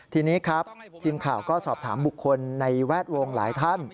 ทีนี้ครับทีมข่าวก็สอบถามบุคคลในแวดวงหลายท่าน